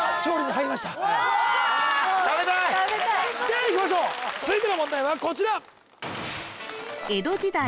ではいきましょう続いての問題はこちら江戸時代